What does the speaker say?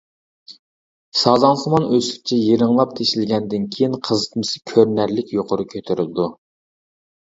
سازاڭسىمان ئۆسۈكچە يىرىڭلاپ تېشىلگەندىن كېيىن قىزىتمىسى كۆرۈنەرلىك يۇقىرى كۆتۈرۈلىدۇ.